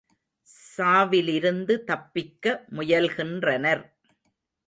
சாவிலிருந்து தப்பிக்க முயல்கின்றனர்.